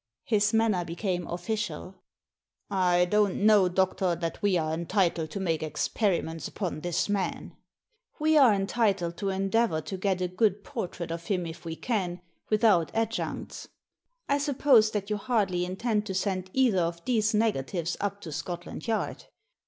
His manner became official. " I don't know, doctor, that we are entitled to make experiments upon this man." "We are entitled to endeavour to get a good Digitized by VjOOQIC 26 THE SEEN AND THE UNSEEN portrait of him if we can, without adjuncts. I suppose that you hardly intend to send either of these negatives up to Scotland Yard.